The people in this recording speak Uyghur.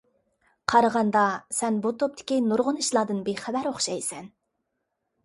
قارىغاندا سەن بۇ توپتىكى نۇرغۇن ئىشلاردىن بىخەۋەر ئوخشايسەن.